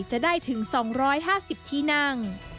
จะได้ถึง๒๕๐ที่นั่ง